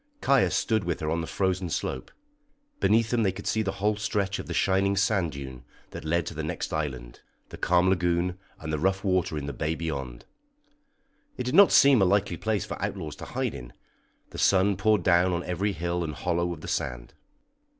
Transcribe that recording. Caius stood with her on the frozen slope. Beneath them they could see the whole stretch of the shining sand dune that led to the next island, the calm lagoon and the rough water in the bay beyond. It did not seem a likely place for outlaws to hide in; the sun poured down on every hill and hollow of the sand.